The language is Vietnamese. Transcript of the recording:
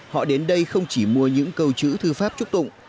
họ đến đây không chỉ mua những câu chữ thư pháp chúc tụng